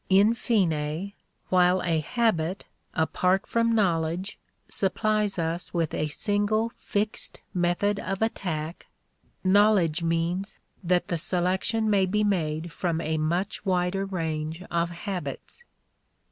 In fine, while a habit apart from knowledge supplies us with a single fixed method of attack, knowledge means that selection may be made from a much wider range of habits.